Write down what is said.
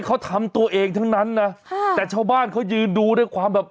เขาทำตัวเองทั้งนั้นนะแต่ชาวบ้านเขายืนดูด้วยความแบบ